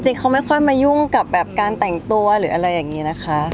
เขาไม่ค่อยมายุ่งกับแบบการแต่งตัวหรืออะไรอย่างนี้นะคะ